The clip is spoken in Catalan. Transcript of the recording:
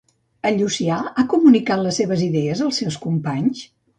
En Llucià ha comunicat les seves idees als seus companys?